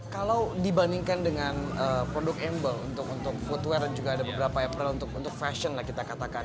kalau dibandingkan dengan produk emble untuk foodware dan juga ada beberapa apple untuk fashion lah kita katakan